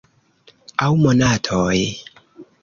Aŭ monatoj.